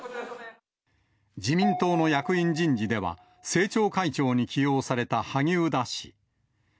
自民党の役員人事では、政調会長に起用された萩生田氏。